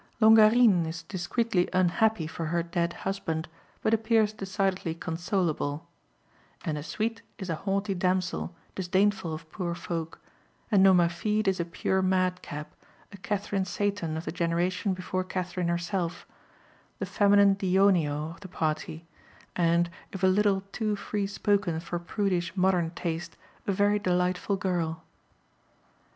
Longarine is discreetly unhappy for her dead husband, but appears decidedly consolable; Ennasuite is a haughty damsel, disdainful of poor folk, and Nomerfide is a pure madcap, a Catherine Seyton of the generation before Catherine herself, the feminine Dioneo of the party, and, if a little too free spoken for prudish modern taste, a very delightful girl.